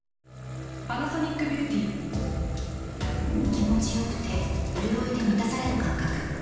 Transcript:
気持ちよくてうるおいで満たされる感覚